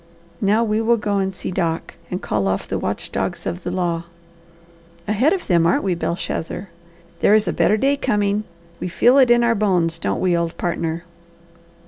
Now, we will go and see Doc, and call off the watch dogs of the law. Ahead of them, aren't we, Belshazzar? There is a better day coming; we feel it in our bones, don't we, old partner?"